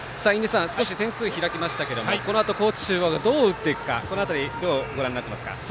少し点数開きましたけどもこのあと高知中央がどう打っていくかこの辺りどうご覧になっていますか？